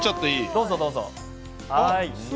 どうぞどうぞ。